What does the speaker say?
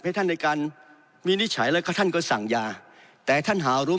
ให้ท่านในการวินิจฉัยแล้วก็ท่านก็สั่งยาแต่ท่านหารู้